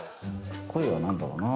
恋は何だろうな？